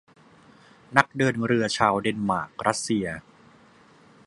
นักเดินเรือชาวเดนมาร์กรัสเซีย